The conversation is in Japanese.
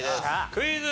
クイズ。